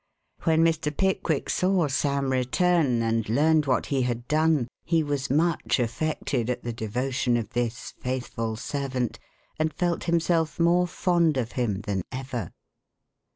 When Mr. Pickwick saw Sam return and learned what he had done, he was much affected at the devotion of this faithful servant and felt himself more fond of him than ever.